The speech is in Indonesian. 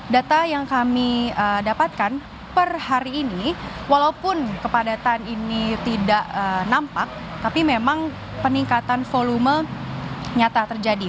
data yang kami dapatkan per hari ini walaupun kepadatan ini tidak nampak tapi memang peningkatan volume nyata terjadi